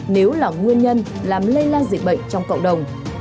nếu là nguyên nhân làm lây lan dịch bệnh trong cộng đồng